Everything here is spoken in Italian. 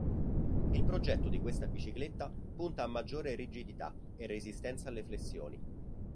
Il progetto di questa bicicletta punta a maggiore rigidità e resistenza alle flessioni.